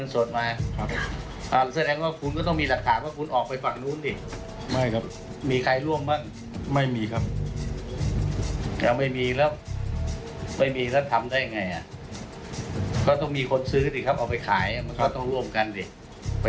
อืมจำไม่ได้เลยครับแล้วเขาจะนัดเอารถไปให้กับใครต่อที่ไหนยังไง